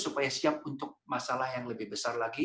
supaya siap untuk masalah yang lebih besar lagi